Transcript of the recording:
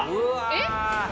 えっ？